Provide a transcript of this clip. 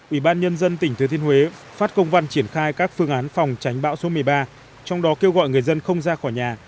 ubnd tp thứ thiên huế phát công văn triển khai các phương án phòng tránh bão số một mươi ba trong đó kêu gọi người dân không ra khỏi nhà